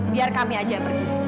biar kami aja pergi